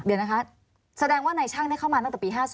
เดี๋ยวนะคะแสดงว่านายช่างเข้ามาตั้งแต่ปี๕๒